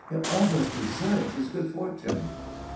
He almost deserves his good fortune."